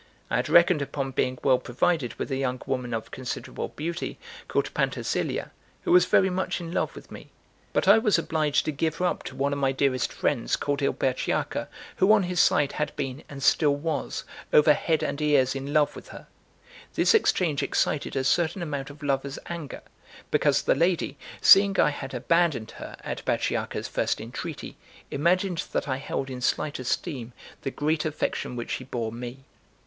I had reckoned upon being well provided with a young woman of considerable beauty, called Pantasilea, who was very much in love with me; but I was obliged to give her up to one of my dearest friends, called Il Bachiacca, who on his side had been, and still was, over head and ears in love with her. This exchange excited a certain amount of lover's anger, because the lady, seeing I had abandoned her at Bachiacca's first entreaty, imagined that I held in slight esteem the great affection which she bore me.